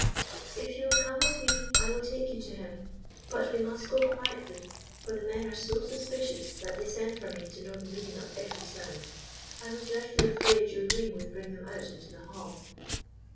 "If you will come with me I will take you to him. But we must go quietly, for the men are so suspicious that they send for me to know the meaning of every sound. I was dreadfully afraid your ring would bring them out into the hall."